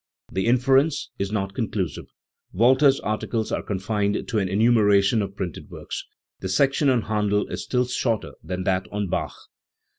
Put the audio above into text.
The inference is rot conclusive. Walther's articles are confined to an enumeration of printed works. The section on Handel is still shorter than that on Bach.